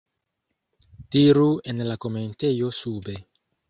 Diru en la komentejo sube.